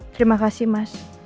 terima kasih mas